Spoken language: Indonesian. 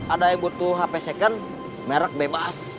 ada yang butuh hp second merek bebas